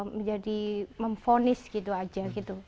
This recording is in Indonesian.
menjadi memfonis gitu aja gitu